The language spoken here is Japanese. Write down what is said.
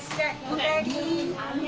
おかえり。